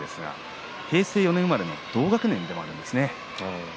平成４年生まれの同学年でもあります。